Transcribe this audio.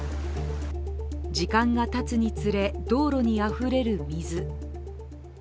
時間がたつにつれ、道路にあふれる水。